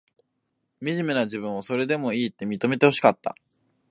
みじめな自分を、それでもいいって、認めてほしかった。